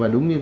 đúng như tôi